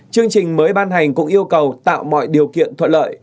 chương trình mới ban hành cũng yêu cầu tạo mọi điều kiện thuận lợi